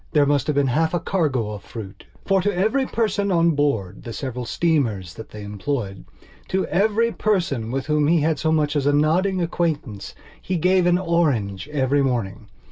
There must have been half a cargo of fruit. For, to every person on board the several steamers that they employedto every person with whom he had so much as a nodding acquaintance, he gave an orange every morning.